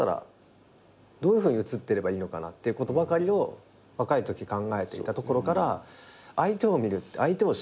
どういうふうに映ってればいいのかなってことばかりを若いとき考えていたところから相手を見るって相手を知るっていう。